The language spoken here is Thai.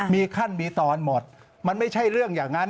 มีขั้นมีตอนหมดมันไม่ใช่เรื่องอย่างนั้น